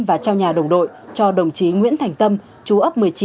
và trao nhà đồng đội cho đồng chí nguyễn thành tâm chú ấp một mươi chín